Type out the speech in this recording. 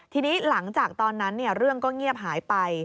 ทีนี้หลังจากตอนนั้นเรื่องก็เงียบหายไป